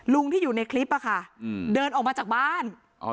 ที่อยู่ในคลิปอะค่ะเดินออกมาจากบ้าน